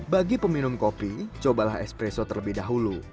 bagi peminum kopi cobalah espresso terlebih dahulu